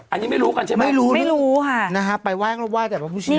อันนี้ไม่รู้กันใช่ไหมไม่รู้ค่ะนะฮะไปว่ายังลบว่ายแต่พระพุทธชินราช